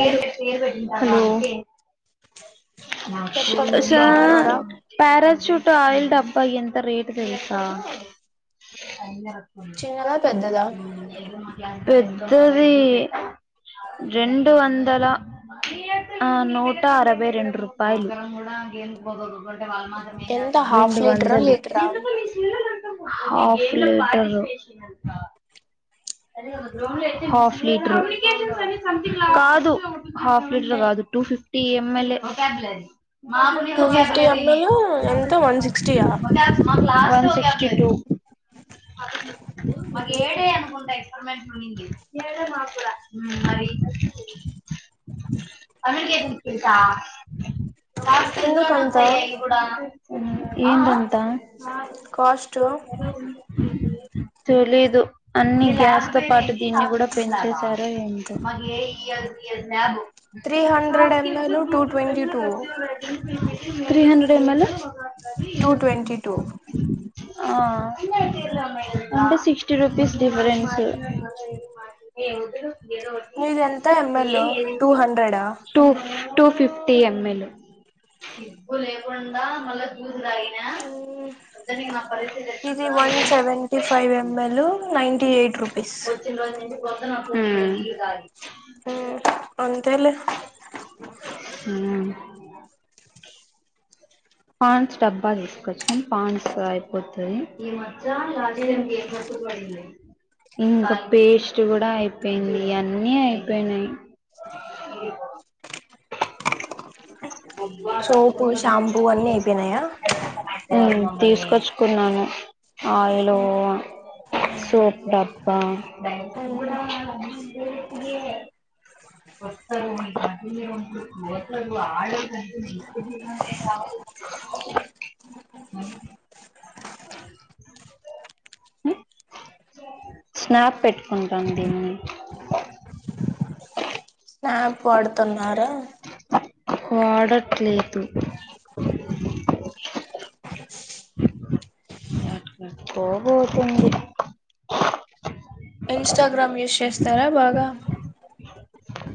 Hello favourite చెప్పండి [unintelligible] స బాగున్నారా పారాచూట్ ట్ ఆయిల్ డబ్బా ఎంత రేట్ తెలుసా చిన్నదా పెద్దదా పెద్దది రెండు వందల ఆ నూట అరవై రెండు రూపాయలు ఎంత హాఫ్ రెండు లీటరా వందలు లీటరా హాఫ్ లీటరు హఫ్ లీటర్ కాదు హాఫ్ లీటర్ కాదు టూ ఫిఫ్టీ ఎం ఎల్ యే వన్ టూ ఫిఫ్టీ ఎంఎల్ ఎంత వన్ సిక్స్టీయా సీ మ ఏడే అనుకు [unintelligible] మెంట్ మ కడ మా కూడా కూడా మరి [unintelligible] అందుకే [unintelligible] ఎందుకంత మ్మ్ ఏంటంట కాస్ట్ తెలీదు అన్ని గ్యా తో పాటు దీన్ని కూడా పెంచేశారో ఏంటో త్రీ సా హండ్రెడ్ బఫ ML two twenty two [unintelligible] three hundred M L యే టూ ట్వంటి టూ ఆ అంటే సిక్స్టీ రూపీస్ డిఫరెన్స్ మా నీది ఎంత ML two హండ్రెడా [unintelligible] two two fifty M L సిగ్గు లేకుండా మళ్ళా చూసారా ఆయన పెద్ద ఇది వన్ సెవెంటీ ఫైవ్ ఎంఎల్ మ్మ్ నైంటీ ఎయిట్ రూపీస్ మ్మ్ మ్మ్ ఓన్ హ్మ్ పాండ్స్ డబ్బా తీసుకొచ్చిన పాండ్స్ అయిపోతే లాస్ట్ టైం గతు పడి [unintelligible] ఇంకా పేస్ట్ కూడా అయిపోయింది అన్నీ అయిపోయినాయి [inaudible] సోపు షాంపూ అన్నీ అయిపోయినాయా మ్మ్ తీసుకొచ్చుకున్నాను ఆయిలు సోప్ డబ్బా వస్తారు. మ్మ్ స్నాప్ పెట్టుకుంటాను దీన్ని స్నాప్ వాడుతున్నారా వాడట్లేదు ఎక్కడికో పోతుంది ఇన్స్టాగ్రామ్ యూస్ చేస్తారా బాగా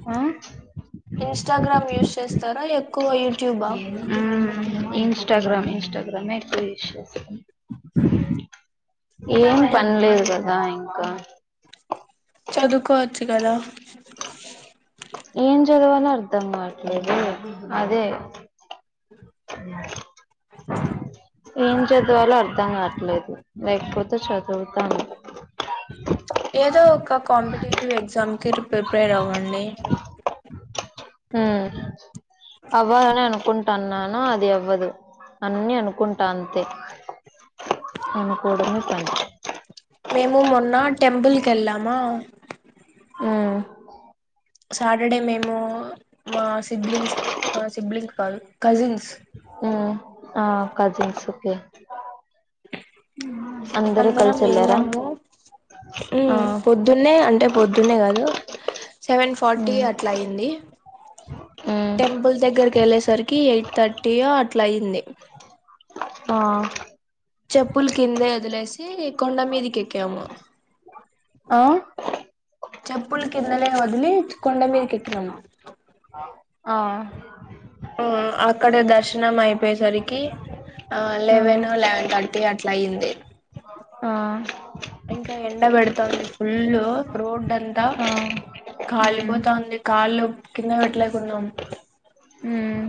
ఆ ఇన్స్టాగ్రామ్ యూస్ చేస్తారా ఎక్కువ యూట్యూబా మ్మ్. ఇన్స్టాగ్రామ్ ఇన్స్టాగ్రామె ఎక్కువ యూస్ చేస్తాను ఏం పన్లేదు ఇగ ఇంకా చదువుకోవచ్చు కదా ఏం చదవాలో అర్థం కాట్లేదే అదే మ్మ్ ఏం చదవాలో అర్థం కావట్లేదు లేకపోతే చదువుతాను ఏదో ఒక కాంపిటేటివ్ ఎగ్జామ్కి ప్రిపేర్ అవ్వండి హ్మ్ అవ్వాలనే అనుకుంటాన్నాను అది అవ్వదు అన్ని అనుకుంటా అంతే అనుకోడమే పని మేము మొన్న టెంపుల్ కి ఎళ్ళామా మ్మ్ సాటర్డే మేము మా సిబ్లింగ్స్ మా సిబ్లింగ్స్ కాదు. కజిన్స్ హ్మ్ ఆ కజిన్స్ ఒకే అందరం వెళ్ళాము, ఆ హ్మ్ పొద్దున్నే అంటే పొద్దున్నే కాదు. సెవెన్ ఫార్టీ ఉమ్ అట్లా అయింది. ఉమ్ టెంపుల్ దగ్గరికి వెళ్ళేసరికి ఎయిట్ థర్టీయో అట్లా అయింది. ఆ చెప్పులు కిందే వదిలేసి కొండ మీదికెక్కాము. ఆ చెప్పులు కిందనే వదిలి కొండ మీదికెక్కినము. ఆ అక్కడ దర్శనం అయిపోయేసరికి ఆ లెవెన్, లెవెన్ థర్టీ అట్లా అయింది. ఆ ఇంకా ఎండ పెడుతోంది ఫుల్ రోడ్ అంత ఆ ఉమ్ కాలిపోతా ఉంది కాళ్లు కింద పెట్టలేకున్నాం. ఉమ్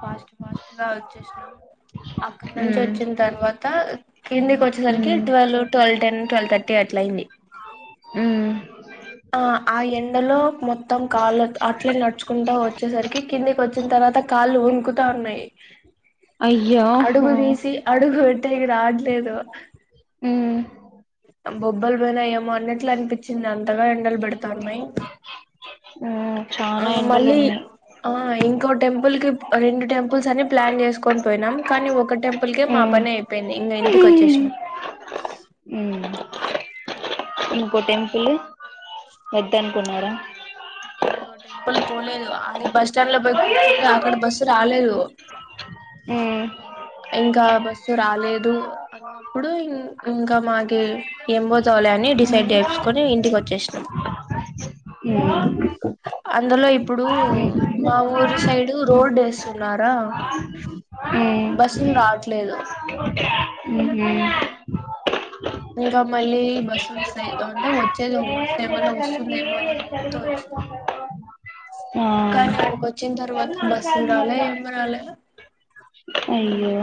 ఫాస్ట్ ఫాస్ట్ గా వచ్చేసినాం అక్కడ నుంచి ఉమ్ వచ్చిన తర్వా త కిందికి వచ్చేసరికి ఉమ్ twelve, twelve ten twelve thirty అట్ల అయింది. మ్మ్ ఆ ఆ ఎండలో మొత్తం కాళ్ళ అట్లే నడుచుకుంటూ వచ్చేసరికి కిందికి వచ్చిన తర్వా త కాళ్ళు వనుకుతా ఉన్నాయి అయ్యో అడుగు తీసి అడుగు పె పెట్టేకి రావట్లేదు. ఉమ్ బొబ్బల్ బెన్ ఏమో అన్నట్లు అనిపించింది అంత అంతగా ఎండలు పెడతా వున్నయి. ఉమ్ ఆ చానా ఎండలు మళ్ళీ ఉన్నాయి ఆ ఇం ఇంకో టెంపుల్ కి రెండు టెంపుల్స్ అని ప్లాన్ చేసుకొని పోయినాం, కానీ ఒక టెంపుల్ కే మా ఉమ్ పని అయిపోయింది. నేను ఇంటికి వచ్చేసిన మ్మ్ ఇంకో టెంపుల్ వద్దనుకున్నారా ఇంకో టెంపుల్ పోలేదు ఆడే బస్ స్టాండ్ లో పోయి కూర్చుంటే అక్కడ బస్సు రాలేదు ఉమ్ ఇంకా బస్సు రాలేదు అన్నప్పుడు ఇం ఇంకా మాక ఏంబో చవాల ని డిసైడ్ చేసుకొని ఇంటికి వచ్చేసినాం హ్మ్ అందులో ఇప్పుడు మా ఊరి సైడు రోడ్ వేస్తున్నారా బస్సులు రావట్లేదు మ్మ్ హ్మ్ ఇంకా మళ్ళీ బస్సు మిస్ అయితా అంటే వచ్చేది బస్ ఏమన్నా వస్తుందేమో అని ఉహు హోప్ తో వచ్చినాం ఆ కానీ అడికి వచ్చిన తర్వాత బస్సు రాలే ఏమి రాలే అయ్యో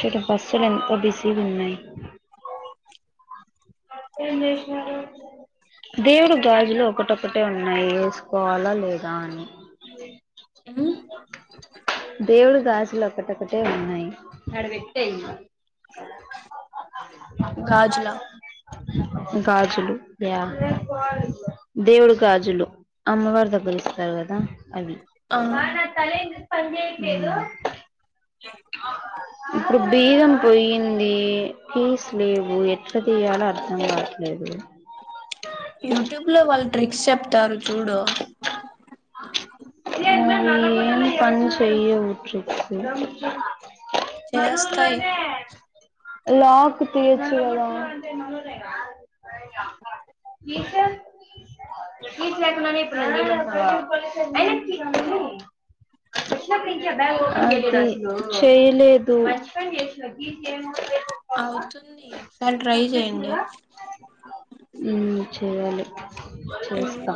చడ బస్సులు ఎంతో బిజీగా ఉన్నాయి ఏం చేసినారు దేవుడు గాజులు ఒకటక్కటే ఉన్నాయి వేసుకోవాలా లేదా అని హ్మ్ దేవుడు గాజులు ఒకటొక్కటే ఉన్నాయి గాజులా గాజులు యా దేవుడు గాజులు అమ్మవారి దగ్గర ఇస్తారు కదా అవి ఆ ఇప్పుడు బీదం పోయింది ఫీస్ లేవు ఎట్లా తీయాలో అర్థం కావట్లేదు యూట్యూబ్ లో వాళ్ళు ట్రిక్స్ చెప్తారు చూడు ఇ ఏను పని చెయ ఉఊట్కు చేస్తాయి లాకు తీచడం ఫ ఫస్ లేక ప్ర అ అ చేయలేదు అవుతుంది ఒకసారి ట్రై సక్సెస్ఫుల్ చెయండి గా మ్మ్ చేయాలి చూస్తా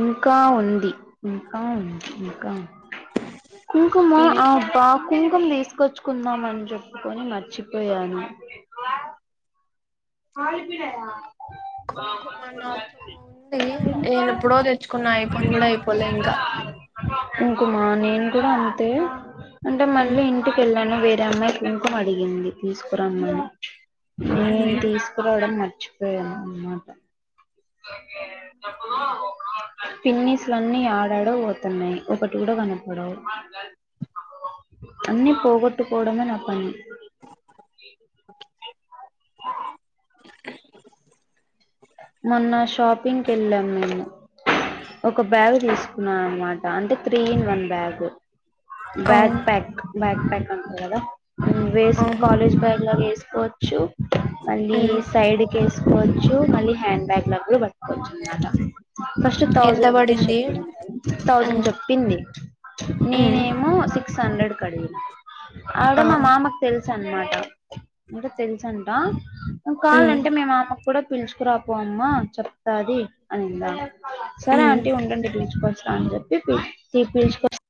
ఇంకా ఉంది ఇంకా ఉ ఇంకా కుకు మ ఆ బపు కుంకం తీసుకొచ్చుకుందామని చెప్పుకొని మర్చిపోయాను ఆ ఇప్పుడ కొంకోమ నాతో ఉండి నేను ఎప్పుడో ఎందుకు తెచ్చుకున్నా యిపోన్ కూడా అయిపోలే ఇంకా ఇంకుమా నేను కూడా అంతే అంటే మళ్ళీ ఇంటికిెళ్ళ నేను వేరే అమ్మాయి ఫంకం అడిగింది తీసుకురమ్మ మచిపోయి అమాట పిన్నిస్లన్నిీ ఆడాడ పోతున్నాయి ఒకటి కూడా కనపడవు అన్ని పోగొట్టుకోవడమే నా పని మొన్న షాపింగ్కి వెళ్ళాం మేము ఒక బ్యాగు్ తీసుకున్నానునమాట అంటే త్రీ ఇన్ వన్ బ్యాగు ఆ బ్యాగ్ ప్యాక్ బ్యాగ్ ప్యాక్ అంటందిదా వేస్ట్ ఆహా కాలేజ్ బ్యాగ్ లాగ వేస్ సుకోవచ్చు మళ్ళీ సైడ్ క వేసుకోవచ్చు మళ్ళీ హ్యాండ్ బ్యాగ్ లా కూడా పట్టుకొచ్చున్నట ఫస్ట్ ఎంత థౌజండ్ రూపీస్ పడింది చెప్పింది థౌజండ్ చెప్పింది నేనేమో సిక్ సిక్స్ హండ్రెడ్ కడిగిిన ఆవిడ మా మామకు తెలుసు చ అనమాట అంటే తెలుసంట కావాలంటే మేము ఆమెకు కూడా పిలుచుకురాపో అమ్మా చెప్తాది అనిందా ఆమె సరే ఆ అంటీ ఉండండి పిలుచుకోవచ్చా అని చెప్పి పిచుకో ఈ పిలుచు